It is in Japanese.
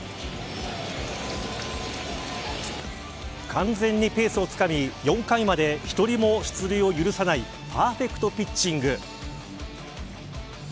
完全にペースをつかみ、４回まで１人も出塁を許さないパーフェクトピッチング。